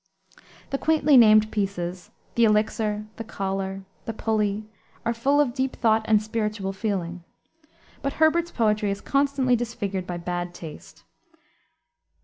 The quaintly named pieces, the Elixir, the Collar, the Pulley, are full of deep thought and spiritual feeling. But Herbert's poetry is constantly disfigured by bad taste.